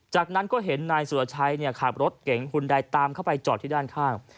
จากนั้นก็เห็นนายสุรชัยขับรถเก่งหุ่นใดตามเข้าไปจอดที่ด้านข้าง